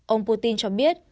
ông putin cho biết